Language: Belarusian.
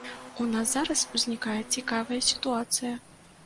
У нас зараз узнікае цікавая сітуацыя.